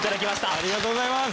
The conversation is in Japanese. ありがとうございます。